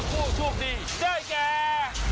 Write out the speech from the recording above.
แล้วผู้ชมดีเจอแก